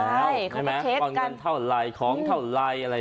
ใช่มันต้องเช็คกันใช่ไหมของเงินเท่าไรของเท่าไรอะไรอย่างนี้นะ